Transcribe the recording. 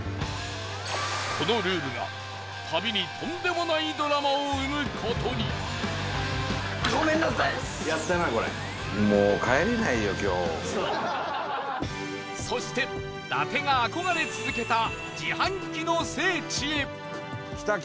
このルールが、旅にとんでもないドラマを生む事にそして、伊達が憧れ続けた自販機の聖地へ